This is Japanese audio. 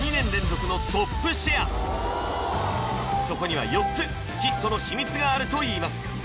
そこには４つヒットの秘密があるといいます